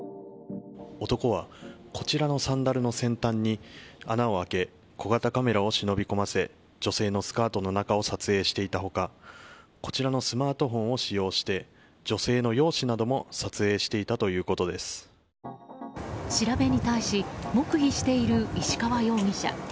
男はこちらのサンダルの先端に小型カメラを忍び込ませ女性のスカートの中を撮影していた他こちらのスマートフォンを使用して、女性の容姿なども調べに対し、黙秘している石川容疑者。